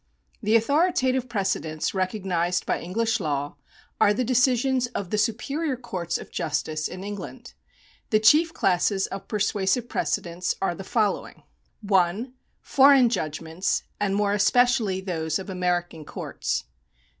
The authoritative precedents recognised by English law are the decisions of the superior courts of justice in England. The chief classes of persuasive precedents are the following : (1) Foreign judgments, and more especially those of American courts.